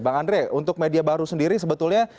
bang andre untuk media baru sendiri sebetulnya